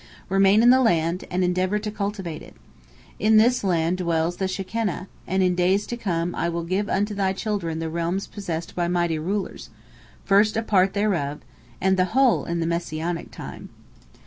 Remain in the land, and endeavor to cultivate it. In this land dwells the Shekinah, and in days to come I will give unto thy children the realms possessed by mighty rulers, first a part thereof, and the whole in the Messianic time."